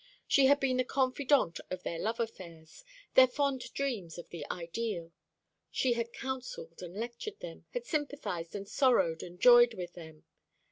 She had been the confidante of their love affairs, their fond dreams of the ideal; she had counselled and lectured them, had sympathised and sorrowed and joyed with them.